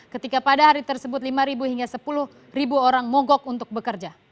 ketika pada hari tersebut lima hingga sepuluh orang mogok untuk bekerja